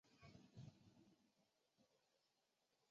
梁国雄及古思尧最后上诉至终审法院。